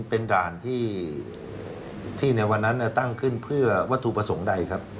เป็นด่านที่ในวันนั้นตั้งขึ้นเพื่อวัตถุประสงค์ใดครับ